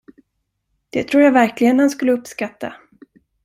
Det tror jag verkligen han skulle uppskatta!